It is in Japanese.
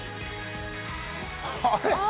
あれ？